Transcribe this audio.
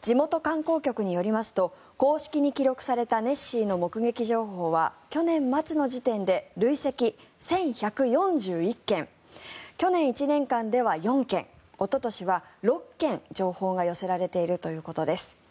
地元観光局によりますと公式に記録されたネッシーの目撃情報は去年末の時点で累積１１４１件去年１年間では４件おととしは６件、情報が寄せられているということです。